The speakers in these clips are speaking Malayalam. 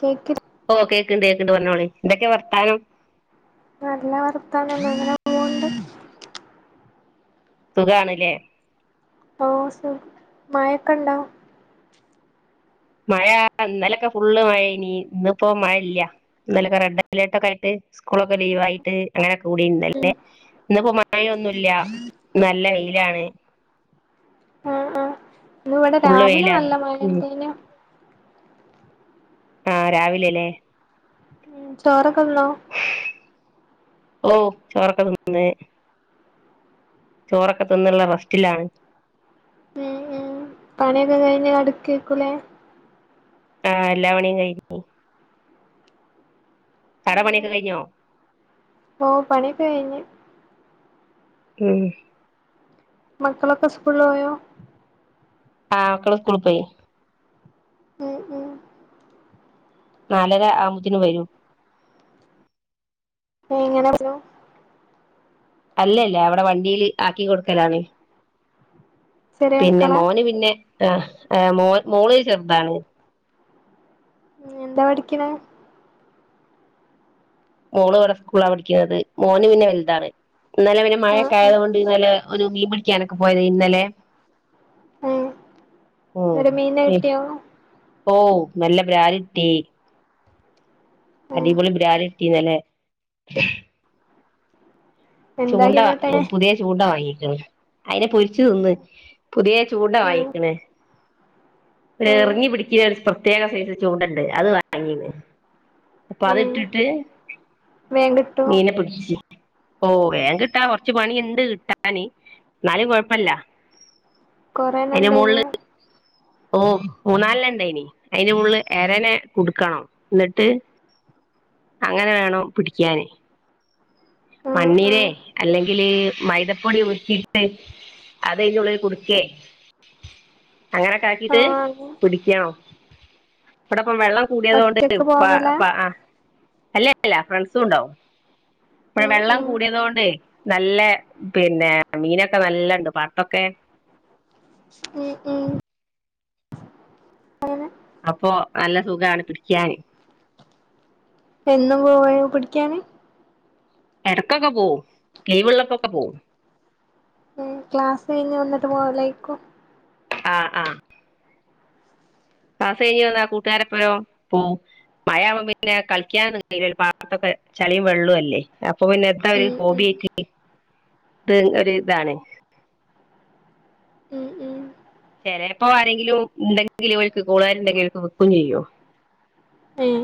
കേക്കിൽ ഓഹ് കേക്ക്ണ്ട് കേക്ക്ണ്ട് പറഞ്ഞോളി എന്തൊക്കെ വർത്താനം നല്ല വർത്താനം അങ്ങനെ പോക്ണ്ട് സുഖാണില്ലേ ഓഹ് സുഖം മഴക്കെ ഉണ്ടൊ മഴ ഇന്നലൊക്കെ ഫുള്ള് മഴയിനി ഇന്നിപ്പോ മഴ ഇല്ല ഇന്നലെക്കെ റെഡ്അലർട്ടൊക്കെ ആയിട്ട് സ്കൂളൊക്കെ ലീവായി [unintelligible] അങ്ങനെ കൂടിന്നല്ലേ ഉം ഇന്നിപ്പോ മഴയൊന്നുമില്ല നല്ല വെയിലാണ് ആഹ് ആഹ് ഇന്ന് ഇവിടെ ഫുള്ള് രാവിലെ വെയിലാണ് നല്ല ഉം മഴണ്ടേനു ആഹ് രാവിലെല്ലേ ഉം ചോറൊക്കതിന്നോ ഓഹ് ചോറക്കതിന്നെ ചോറൊക്കെ തിന്നുള്ള റസ്റ്റിലാണ് ഉം ഉം പണിയൊക്കെ കഴിഞ്ഞ അടുക്കിവെക്കുലേ ആഹ് എല്ലാപണിയും കഴിഞ്ഞ് [unintelligible] പണിയൊക്കെ കഴിഞ്ഞോ ഓഹ് പണികഴിഞ്ഞ് ഉം മക്കളൊക്കെ സ്കൂളില് പോയോ ആഹ് മക്കള് സ്കൂളി പോയി ഉം ഉം നാലര ആകുമ്പത്തിന് വരും ഏഹ് എങ്ങനെ വരോ അല്ലല്ല അവിടെ വണ്ടിൽ ആക്കി കൊടുക്കലാണ് ചെറിയ പിന്നെ മക്കളാ മോന് പിന്നെ ആഹ ആഹ് മോള് ചെറുതാണ് ഉ എന്താ പഠിക്കണ മോള് ഇവിടെ സ്കൂളാണ് പഠിക്കുന്നത് മോന് പിന്നെ വലുതാണ് ഇന്നലെ പിന്നെ ആഹ് മഴയൊക്കെ ആഹ് ആയത് കൊണ്ട് ഇന്നല്ല ഒരു മീ പിടിക്കാനൊക്കെ പോയത് ഇന്നലെ ഏഹ് എന്നിട്ട് മീനിനെ കിട്ടിയോ ഓ നല്ല ബ്രൽ കിട്ടി ഏഹ് അടിപൊളി ബ്രാൽ കിട്ടീ ഇന്നലെ ചൂണ്ട എന്താക്കി എന്നിട്ട് പുതിയ ചൂട വാങ്ങിക്കണ് അയിനെ പൊരിച്ച് തിന്ന് പുതിയ ചൂട ഏഹ് വാങ്ങിക്കണ് ഏഹ് എറിങ്ങി പിടിക്ക പ്രത്യേക സൈസൽ ചൂണ്ടണ്ട് അത് വാങ്ങീന്ന് അപ്പൊ അത് ഏഹ് ഇട്ടിട്ട് വേഗം കിട്ടോ മീനെ പിടിച്ച് ഓ ഏൻ കിട്ടാ കൊറച്ച് പണിയുണ്ട് കിട്ടാാന് എന്നാലും കൊഴപ്പില്ല കുറേണം ഉണ്ടേനും ഓ മുനാലെണ്ണം ഉണ്ടേനി അയിന് ഉള്ളില് എരനെ കൊടുക്കണം എന്നിട്ട് അങ്ങനെ വേണോ പിടിക്കാന് ആഹ് മണ്ണീര ആഹ് അല്ലെങ്കിൽ മൈദപ്പൊടി ട്ട് അത് അയിന്റെ ഉള്ളിൽ കുടുക്കേ അങ്ങനെക്കെ ഇത് ആഹ് പിടിക്കോ അവിടപ്പം വെള്ളം കൂടിയതൊണ്ട് ഒറ്റക്ക് പ പോവലാ പ ആഹ അല്ലല്ല ഫ്രണ്ട്സും ഉണ്ടാവും ഇപ്പ ഉം വെള്ളം ഉം കൂടിയതൊണ്ട് നല്ല പിന്നെ മീനൊക്കെ നല്ലണ്ട് പാട്ടൊക്കെ ഉം ഉം അങ്ങനെ അപ്പൊ നല്ല സുഖാണ് പിടിക്കാന് എന്നും പോയ പിടിക്കാന് ഇടക്കൊക്കെ പോവും കൈവെള്ളപ്പൊക്കെ പോകവും ക്ലാസ് കഴിഞ്ഞ് വന്നിട്ട് പോ ലൈക്കോ ആഹ ആഹ ക്ലാസ്സ്‌ കഴിഞ്ഞഞ് വന്നാ കൂട്ടുകാര പോരോ പോവും മഴ ആകം പിന്നെ കളിക്കാ കയില്ല പാത്തൊക്കെ ചെളിയും വെള്ളവും അല്ലേ അപ്പൊ പിന്നെ എ ഒരു ഉം ഹോബി ഉം ആയിട്ട് ഇത് ഒരു ഇതാണ് മ് മ്മ് ചിലപ്പോ ആരെങ്കിലും ഉണ്ടെങ്കിലുംക്ക് കൂളുകാരുണ്ടെങ്കില ഒക്ക് വിക്കും ചെയ്യോ ഉം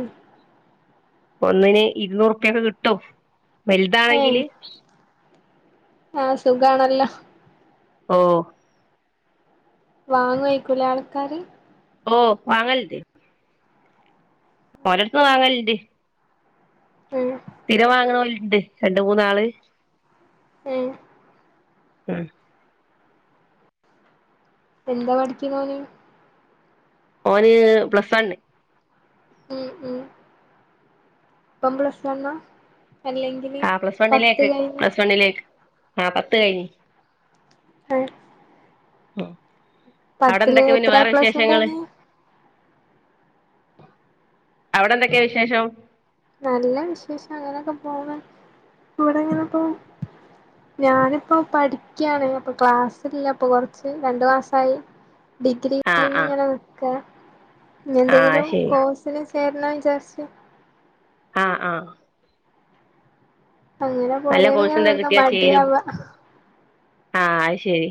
ഒന്നിന് ഇരുന്നൂറുപ്യൊക്കെ കിട്ടും വലുതാണെങ്കില് ആഹ സുഖമാണല്ലോ ഓ വാങ്ങുവായിരിക്കൂലെ ആൾക്കാര് ഓഹ വാങ്ങലുണ്ട് ഓരിടത്തന്ന് വാങ്ങലുണ്ട് മ് സ്ഥിരം വാങ്ങണവർ ഉണ്ട് രണ്ട മൂന്നാള് മ് [inaudible] എന്താ പഠിക്കുന്നോന് ഓന് പ്ലസ് വണ് ഉം ഉം ബമ്പളഷ്ന്ന്റഞ്ഞ അല്ലെങ്കി ആഹ് പ്ലസ് വണ്ണിലേക്ക് പ്ലസ് വണ്ണിലേക്ക് ആഹ് പത്ത് കഴിഞ്ഞ് ഏഹ് ഉം പത്തില് അവിടെന്തൊക്കെ പിന്നെ എത്ര വേറെ എ പ്ലസ് വിശേഷങ്ങള്? ഇണ്ടായിന് അവിടെ എന്തൊക്കെ വിശേഷം? നല്ല വിശേഷം അങ്ങനെയൊക്കെ പോണ് ഇവിടങ്ങിനെപ്പൊ ഞാനിപ്പോ പഠിക്കാണ് അപ്പൊ ക്ലാസില്ലപ്പൊ കൊറച്ച് രണ്ടു മാസായി ഡിഗ്രി ആഹ് ആഹ് കഴിഞ്ഞിങ്ങനെ നിക്ക ഇനി ആഹ് എന്തെങ്കിലും ശരി കോഴ്സ് സ് ചേരണം വിചാരിച്ച് ആഹ് ആഹ് അങ്ങനെ നല്ല കോഴ്സ് പൊരേലിങ്ങനെ എന്താ നിന്ന് മടിയാവാ ആഹ അത് ശെരി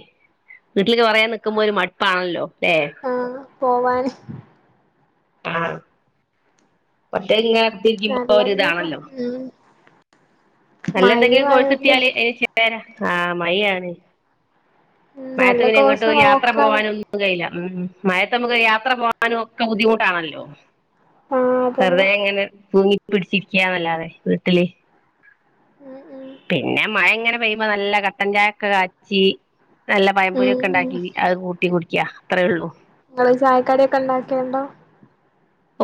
വീട്ടിലിങ്ങനെ കൊറേ നിക്കുമ്പോ ഒരു മടുപ്പാണല്ലോല്ലേ? ആഹ് പോവാന് ആഹ് ഒറ്റക്ക് ഇങ്ങനെ കുത്തിരിക്കുമ്പോ നല്ല എന്തേക്കും ഒരിതാണല്ലോ? ഉം നല്ല മഴയും എന്തെങ്കിലും ആയോണ്ട് കോഴസിട്ടിയാല് അതില് ചേരാ ആഹ് മയ ആണ്. ഉം മയത്ത് നല്ല പിന്നെ എങ്ങോട്ടും കോഴ്സ് ഒരു യാത്ര നോക്കാണ് പോകാനും പൊകാനും കയ്യൂല ഉം ഉം മയത്ത് നമ്മുക്ക് യാത്ര പോകാനും ഒക്കെ ബുദ്ധിമുട്ടാണല്ലോ? ആഹ് വെറുതെ അതന്നെ ഇങ്ങനെ തൂങ്ങി പിടിച്ചിരികാന്നല്ലാതെ വീട്ടില് ഉം ഉം പിന്നെ മഴ ഇങ്ങനെ പെയ്യുമ്പോ നല്ല കട്ടൻചായൊക്കെ കാച്ചി നല്ല പയംപൊരി ഉം ഒക്കെ ഉം ഉണ്ടാക്കി അത് കൂട്ടി കുടിക്ക അത്രേ ഉള്ളൂ. നിങ്ങള് ചായക്കടിയൊക്കെ ഇണ്ടാക്കൽണ്ടോ?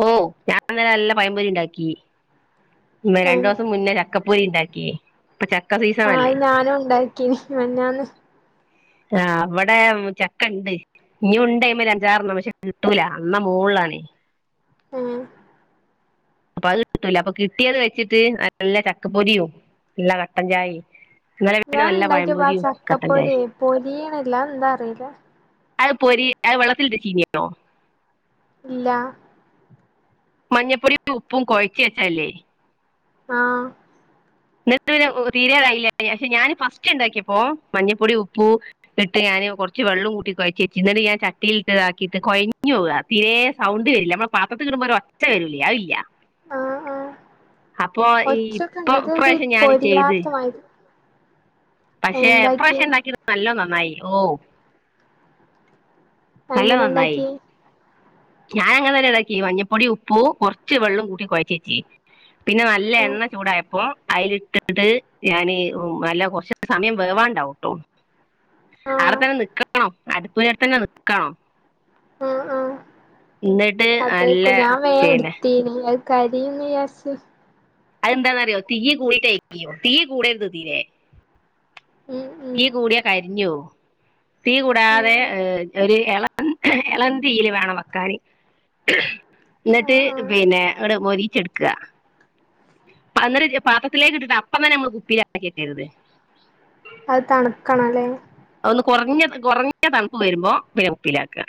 ഓ ഞാൻ ഇന്നെല നല്ല പയംപൊരി ഇണ്ടാക്കി. ന്ന്‌ രണ്ടു ഏഹ് ദിവസം മുന്നേ ചക്കപ്പൊരി ഇണ്ടാക്കി ഇപ്പൊ ചക്ക സി ആഹ് അത് ഞാനും ഉണ്ടാക്കീനി മിനിഞ്ഞാന്ന്. ആഹ് ഇവിടെ ഉം ചക്കണ്ട് ഇഞ്ഞുണ്ടയ്മെ അഞ്ചാറെണ്ണം പക്ഷെ കിട്ടൂല നന്ന മോളിലാണെയ് ഉം അപ്പൊ അത് കിട്ടുല അപ്പൊ കിട്ടിയത് വെച്ചിട്ട് നല്ല ചക്കപ്പൊരിയും പിന്നെ കട്ടൻ ചായിം ഞാൻ ഉണ്ടാക്കിയപ്പോ ആ ചക്ക കട്ടൻ ചായയും പൊരിയെയ് പൊരീയിണില്ല അത് എന്താ അറില്ല അത് പോരി അത് വെള്ളത്തിലിട്ട ചീനിട്ടൊ ഇല്ല മഞ്ഞപ്പൊടിയും ഉപ്പും കൊയച് വെച്ചല്ലേ? ആഹ് നിട്ട് തീരറായില്ല പക്ഷെ ഞാൻ ഫസ്റ്റ് ഉണ്ടാക്കിയപ്പോ മഞ്ഞൾപ്പൊടി ഉപ്പൂ ഇട്ട് ഞാന് കുറച്ച് വെള്ളം കൂട്ടി കൊഴച് വെചു ന്നിട്ട് ഞാൻ ചട്ടിയിലിട്ട് ഇതാക്കിയിട്ട് കൊഴഞ്ഞു പോവാ തീരെ സൗണ്ട് വരില്ല നമ്മൾ പാത്രത്തി കിടുമ്പോ ഒരു ഒച്ച വരൂലേ അത് ഇല്ല ആഹ് ആഹ് അപ്പൊ ഒച്ചൊക്കെ ഈപ്പൊ ഉണ്ട് ഇത് ഒരു ഇപ്രാവശ്യം ഞാൻ ചെയ്ത് പൊരിയാത്ത മാതിരി പക്ഷെ എന്താക്കി ഇപ്രാവശ്യം ഉണ്ടാക്കിയത് നല്ലോ നന്നായി ഓഹ് നല്ല എങ്ങനെ നന്നായി ഇണ്ടാക്കിയെ? ഞാൻ അങ്ങനെന്നെ ഇണ്ടാക്കി മഞ്ഞപ്പൊടി ഉപ്പും കുറച്ച് വെള്ളവും കൂട്ടി കൊഴച്ച് വെച്ചിന് പിന്നെ നല്ല ആഹ് എണ്ണ ചൂടായപ്പോ അയിലിട്ട് ട്ടിട്ട് ഞാൻ നല്ല കുറച് സമയം വേവാണ്ടാവുട്ടോ? അവിടെ ആഹ് തന്നെ നിക്കണം അടുപ്പു ങ്ങതന്നെ നിക്കണം ആഹ് ആഹ് എന്നിട്ട് നല്ല അതേകും ഞാൻ വേഗ പിന്നെ എടുത്തീനു കരീന്ന് വിചാരിച്ച് അതെന്താന്നറിയോ തീ കൂടിയ [unintelligible] തീ കൂടെരുത് തീരെ ഉം ഉം തീ കൂടിയാ കരിഞ്ഞ് പോവും തീ ഉം കൂടാതെ ഉം ഏ ഒരു എള എളം തീയില് വേണം വെക്കാന്. എന്നിട്ട് ആഹ് ആഹ് പിന്നെ ഇങ്ങട് മൊരിച്ചെടുക്ക അന്ന രം പാത്രത്തിലേക്ക് ഇട്ടിട്ട് അപ്പം തന്നെ നമ്മള് കുപ്പിയിലാക്കി വെകരുത് അത് തണുക്കണംല്ലേ അതൊന്ന് കൊറഞ്ഞ കൊറഞ്ഞ തണുപ്പ് വരുമ്പോ പിന്നെ കുപ്പിലാക്ക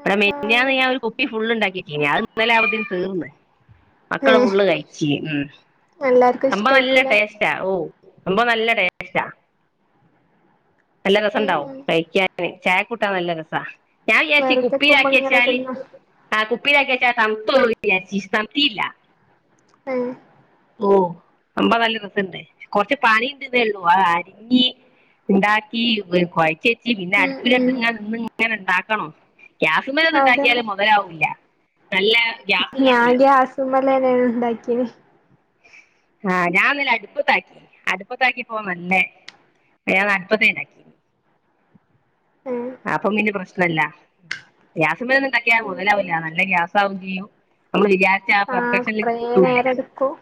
ഇവടെ ആഹ് മിനിഞ്ഞാന്ന് ആഹ് ഞാനൊരു കുപ്പി ഫുള്ള് ണ്ടാക്കിട്ടീനി അത് ഇന്നലെ ആവുംമ്പതേനു തീർന്ന് മക്കള് ഏഹ് ഫുള്ള് കഴിച്ചി ഉം എല്ലാർക്കും സംഭവം നല്ല ഇഷ്ടായിക്കൂലേ ടേസ് റ്റാ ഓ സംഭവം നല്ല ടേസ്റ്റാ നല്ല ഉം രെസംണ്ടാവും ഉം കയിക്കാന് ചായക്കൂട്ടാൻ നല്ല രെസാ ഞാം വിചാരിച്ചി വെറുതെ കുപ്പീലാക്കി കുമ്പളങ്ങ വെച്ചാല് തിന്ന ആ കുപ്പീലാക്കി വെച്ചാ തണുതോവും വിചാരിച്ചി തണ്ത്തീല്ല ഏഹ് ഓ സമ്പവം നല്ല രെസണ്ട് കൊറച്ച് പണിണ്ട്ന്നേ ഉള്ളൂ ആ അരിഞ്ഞി ഉണ്ടാക്കി വ് കൊയ്ച്ചേ ച്ചി പിന്നെ ഉം ഉം അട്പ്പിലെടുത്ത്ങ്ങനെ നിന്ന് ങ്ങനെ ണ്ടാക്കണം ഗ്യാസ്മ്മേലൊന്നും അതന്നെ ഉണ്ടാക്ക്യാല് മൊ തലാവൂല നല്ല ഗ്യാസ് ഞാൻ കാണുല്ലോ ഗ്യാസ്മ്മെലെന്നേനു ഉണ്ടാക്ക്യേനേ ആഹ് ഞാൻ ഇന്നലെ അടുപ്പത്താക്കി അടുപ്പത്താക്കി പ്പൊ നല്ലേ വേന്ന് അടുപ്പത്തെണ്ടാക്കി ആഹ് അപ്പൊ പിന്നെ പ്രശ്നല്ലാ ഗ്യാസ്മ്മലൊന്നും ണ്ടാക്ക്യ ഉം ഉം മൊതലാവൂല നല്ല ഗ്യാസാവും ചെയ്യും നമ്മള് വിജാ രിചാ ആ ആഹ് പെർഫക്ഷൻല് കൊറേ കിട്ടൂല്ല നേരം എടുക്കും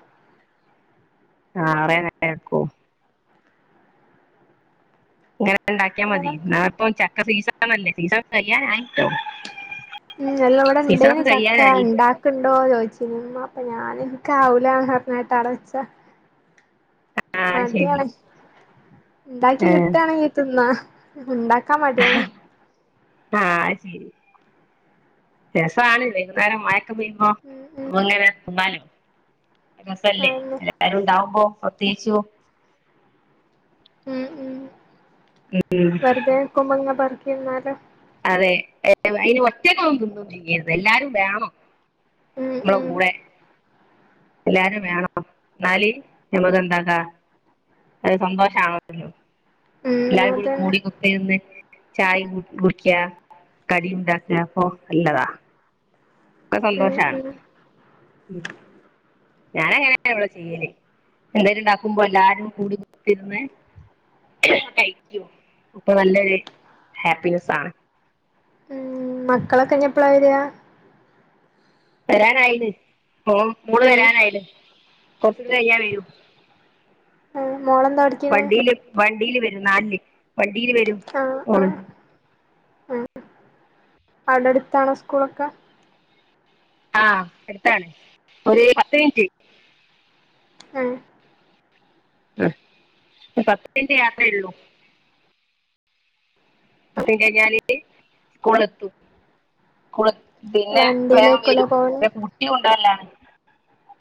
ആ ഉം കുറേ ഉം നേരം എടുക്കും ങ്ങനെണ്ടാക്ക്യാ മതി അങ്ങനെ ന്നാപ്പൊ ചക്ക സീസണല്ലേ സീസൺ കയ്യാനായിട്ടോ ഉം അല്ല വടേണ്ടേനി ചക്ക ണ്ടാക്ക ക്കുണ്ടോ ചോയ്ച്ചീനി ഉമ്മാ അപ്പൊ ഞാന് ഇൻക്കാവൂലാന്ന് പറഞ്ഞട്ട് അടെ വെച്ചാ ആഹ് ശെരി ഉണ്ടാക്കി കിട്ടാണെങ്കി തിന്നാ ഉണ്ടാക്കാൻ മടിയാണ് ആഹ് ശെരി രസാണ് വൈകുന്നേരം മഴ ക്കെ പെയ്യുമ്പോ ഉം ഉം അപ്പോങ്ങനെ തിന്നാല് രസല്ലേ അതന്നെ എാല്ലാരുംണ്ടാവുമ്പോ തേച്ചോ ഉം ഉം വെറുതെക്കുംമ്പൊ ങ്ങെനെ പെറുക്കി തിന്നാലൊ അതെ അയ്ന് ഒറ്റക്കാവുംബോ ഒന്നും ചെയ്യരുത് എല്ലാരും വേണം ഉം നമ്മളെ ഉം കൂടെ എല്ലാരും വേണം എന്നാലി ഞമ്മക്ക് എന്താക്കാ അത് സന്തോഷാണല്ലോ ഉം എല്ലാരും അതന്നെ കൂടിഅങ്ങ് ഇര്ന്ന് ചായിം കുടിക്കാ കടിണ്ടാക്കാ അപ്പൊ നല്ലതാ അത് ഉം സന്തോഷാണ് ഉം ഉം ഞാനങ്ങനെ ഇവടെ ചെയ്യല് എന്തേലുംണ്ടാക്കുമ്പോ എല്ലാരും കൂടി കുത്തിര്ന്ന് കയ്ക്കും അപ്പൊ നല്ലൊരു ഹാപ്പിനെസാണ് ഉം മക്കളൊക്കെ ഞ്ഞി എപ്പളാ വരാ വെരാനായീണ് മോം മോള് ഏഹ് വെരാനായീണ് കൊറച്ച് കൈഞ്ഞാ വെരും ഏഹ് മോളെന്താ പഠിക്കണേ വണ്ടീല് വണ്ടീല് വെരും നാല്ല് വണ്ടീല് വെരും. ഉം ഉം ഉം അവടെടുത്താണോ സ്കൂളൊക്കെ? ആഹ് അടിത്താണ് ഒരു പത്ത് മിൻറ്റ്. ആഹ്. ഉം ഒര് പത്തിൻറ്റ് യാത്രേ ഒള്ളൂ. പത്തിൻറ്റൈയ്ഞ്ഞാല്- കൂളെത്തി കൂളെ പിന്നെ വേഗം വണ്ടിയിലേക്കുല്ലേ വെരും [unintelligible] പോവല് [unintelligible] ട്ടിയും കൊണ്ടുന്ന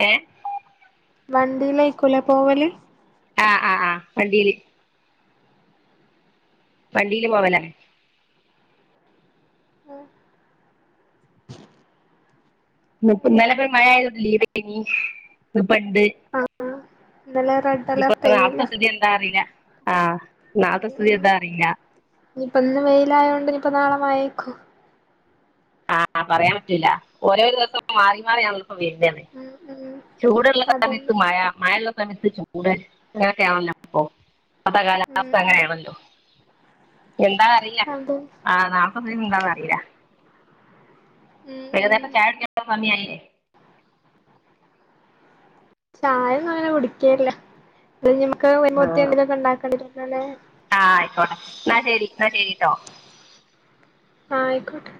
ഏഹ്. വണ്ടീലേക്കൂലെ പോവല്? ആഹ് ആഹ് ആഹ് വണ്ടീല്. വണ്ടീല് പോവലെ- ന്ന്പ്പം ന്നെലെപ്പോ മഴ ആതൊണ്ട് ലീവേനിഎട്ത്തിനി ഇപ്പെണ്ട്. ആഹ് ഇന്നലെ റെഡ് ഇപ്പൊ അലർട്ടേനല്ലോ നാളത്തെസ്ഥിതി എന്താ അറീല ആഹ് നാളത്തെസ്ഥിതി എന്താ അറീലാ. ഇനിയിപ്പം ഇന്ന് വെയിലായോണ്ട് ഇനിപ്പോ നാളെ മയേക്കോ? ആഹ് ആഹ് പറയാൻ പറ്റൂല്ല ഒരേ ദിവസം മാറി മാറിയണിപ്പം വരുന്നത്. ഉം ഉം ചൂടുള്ള സമയത്തു അതന്നെ മഴ മഴയുള്ള സമയത്ത് ചൂട്. കൂടെ അങ്ങനൊക്കെ ആണല്ലോ പ്പൊ ഇപ്പഴത്തെ ഉം കാലാവസ്ഥ അങ്ങനെ ഉം ആണല്ലോ. എന്താന്നു അറിയില്ല അതെ ആഹ് നാളത്തെ സ്ഥിതി എന്താന്ന് അറിയില്ല. ഉം ഉം പിന്നെഎഴ്ന്നേറ്റ് ചായ കുടിച്ചപ്പം സമയായില്ലേ. ചായൊന്നും അങ്ങനെ കുടിക്കേല്ല അത് ഞമക് [unintelligible] ആ മീനൊക്കെ ഉണ്ടാക്കണ്ടെ [unintelligible] ആഹ് ആയിക്കോട്ടെ എന്നാ ശരി എന്നാ ശരി കേട്ടോ. ആഹ് ആയിക്കോട്ടെ.